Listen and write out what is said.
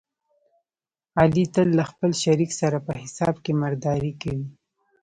علي تل له خپل شریک سره په حساب کې مردارې کوي.